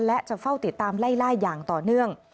และจะเฝ้าติดตามไล่ล่าอย่างต่อเนื่อง